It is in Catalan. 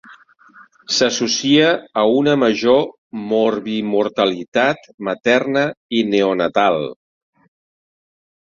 S'associa a una major morbimortalitat materna i neonatal.